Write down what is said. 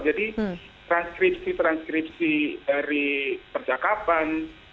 jadi transkripsi transkripsi dari percakapan